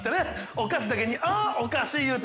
お菓子だけにあオカシイ言うて。